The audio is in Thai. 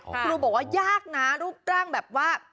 ครูบอกว่ายากนะรูปร่างแบบว่า